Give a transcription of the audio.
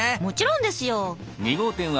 もちろんですよ！